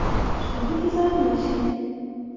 Што гэта за адносіны?